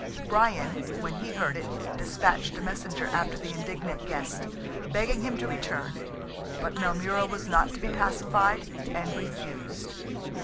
Brian, when he heard it, despatched a messenger after the indignant guest, begging him to return, but Maelmurra was not to be pacified, and refused.